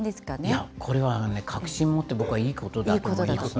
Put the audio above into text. いや、これはね、確信もって僕はいいことだと思いますね。